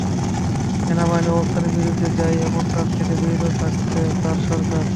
সেনাবাহিনীর অবস্থানের বিরুদ্ধে যায় এমন কাজ থেকে বিরত থাকছে তাঁর সরকার।